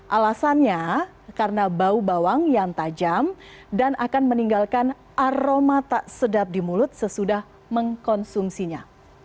alasannya karena bau bawang yang tajam dan akan meninggalkan aroma tak sedap di mulut sesudah mengkonsumsinya